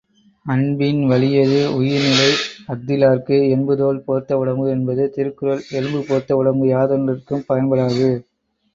அன்பின் வழியது உயிர்நிலை அஃதிலார்க்கு என்புதோல் போர்த்த உடம்பு என்பது திருக்குறள், எலும்பு போர்த்த உடம்பு யாதொன்றிற்கும் பயன்படாது.